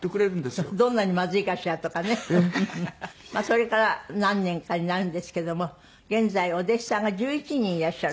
まあそれから何年かになるんですけども現在お弟子さんが１１人いらっしゃるんですって？